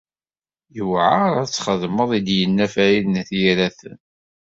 Yuɛeṛ ad t-txdemeḍ i d-yenna Farid n At Yiraten.